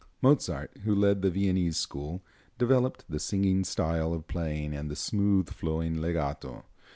Mozart, who led the Viennese school, developed the singing style of playing and the smooth flowing legato.